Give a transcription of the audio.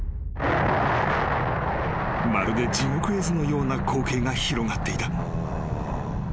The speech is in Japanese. ［まるで地獄絵図のような光景が広がっていた］